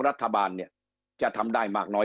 รัฐบาลเนี่ยจะทำได้มากน้อย